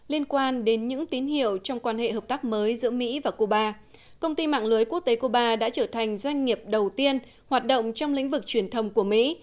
liên quan đến những tín hiệu trong quan hệ hợp tác mới giữa mỹ và cuba công ty mạng lưới quốc tế cuba đã trở thành doanh nghiệp đầu tiên hoạt động trong lĩnh vực truyền thông của mỹ